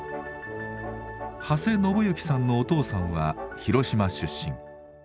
長谷信行さんのお父さんは広島出身。